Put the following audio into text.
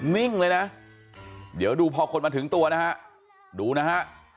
นิ่งเลยนะเดี๋ยวดูพอคนมาถึงตัวนะฮะดูนะฮะ